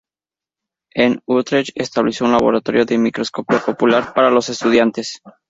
En Utrecht, estableció un laboratorio de microscopía popular para los estudiantes.